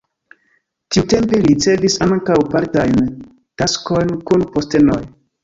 Tiutempe li ricevis ankaŭ partiajn taskojn kun postenoj.